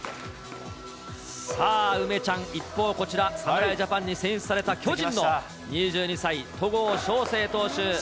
さあ、梅ちゃん、一方こちら、侍ジャパンに選出された巨人の２２歳、戸郷翔征投手。